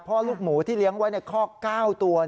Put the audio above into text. เพราะลูกหมูที่เลี้ยงไว้ข้อ๙ตัว